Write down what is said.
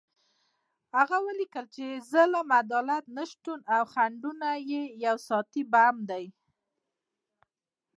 هغه ولیکل چې ظلم، عدالت نشتون او خنډونه یو ساعتي بم دی.